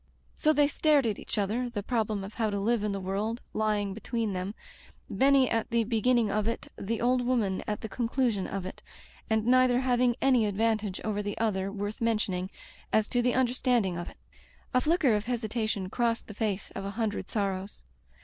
So they stared at each other, the problem of how to live in the world lying be tween them, Benny at the beginning of it, the old woman at the conclusion of it, and neither having any advantage over the other worth mentioning, as to the understanding of it. A flicker of hesitation crossed the face of a hundred sorrows.